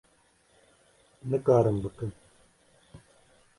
Nikarim bikim.